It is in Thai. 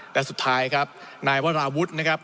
และสุดท้ายครับนายวราวุฒินะครับ